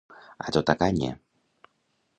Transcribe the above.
A tota canya.